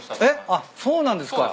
あっそうなんですか。